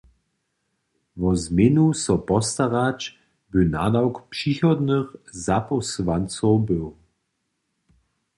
Wo změnu so postarać by nadawk přichodnych zapósłancow był.